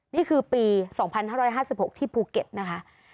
นี่คือปี๒๕๕๖ที่ภูเก็ตนะคะ